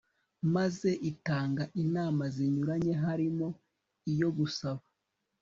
maze itanga inama zinyuranye harimo iyo gusaba